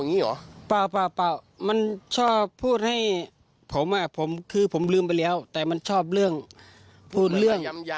นี่ยังรักเขาอยู่มั้ย